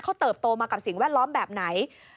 เขาเติบโตมากับสิ่งแวดล้อมแบบไหน